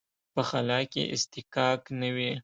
په خلا کې اصطکاک نه وي.